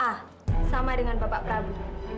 ah sama dengan bapak prabu